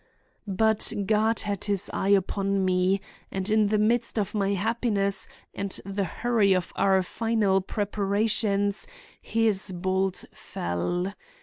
"But God had His eye upon me, and in the midst of my happiness and the hurry of our final preparations His bolt fell.